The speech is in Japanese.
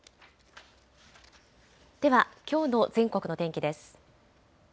ではきょうの全国の天気です。